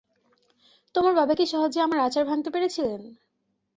তোমার বাবা কি সহজে আমার আচার ভাঙতে পেরেছিলেন?